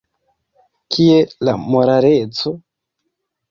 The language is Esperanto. Kie la moraleco?